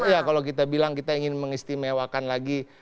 ya kalau kita bilang kita ingin mengistimewakan lagi